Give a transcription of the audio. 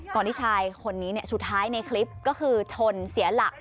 ที่ชายคนนี้สุดท้ายในคลิปก็คือชนเสียหลัก